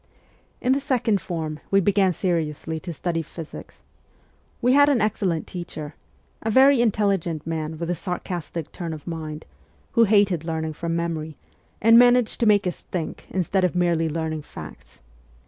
In the second form we began seriously to study physics. We had an excellent teacher a very intelli gent man with a sarcastic turn of mind, who hated learning from memory, and managed to make us think instead of merely learning facts.